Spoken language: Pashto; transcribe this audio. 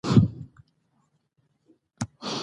د فلم جوړولو لپاره ډیرې هڅې وشوې.